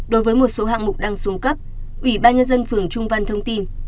đối với một số hạng mục đang xuống cấp ủy ban nhân dân phường trung văn thông tin